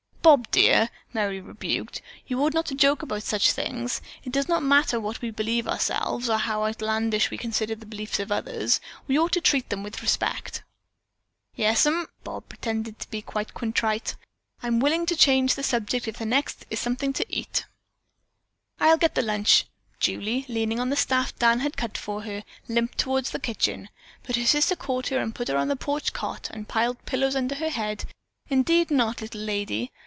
"Bob, dear," Merry rebuked, "you ought not to joke about such things. It does not matter what we believe ourselves, or how outlandish we consider the beliefs of others, we ought to treat them with respect." "Yes'm," Bob pretended to be quite contrite. "I'm willing to change the subject if the next subject is something to eat." "I'll get the lunch." Julie, leaning on the staff Dan had cut for her, limped toward the kitchen, but her sister caught her and put her on the porch cot and piled pillows under her head. "Indeed not, little lady."